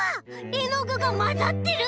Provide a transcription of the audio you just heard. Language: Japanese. えのぐがまざってる！